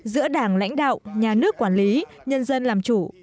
giữa đảng lãnh đạo nhà nước quản lý nhân dân làm chủ